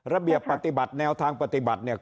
ระเบียบปฏิบัติแนวทางปฏิบัติเนี่ย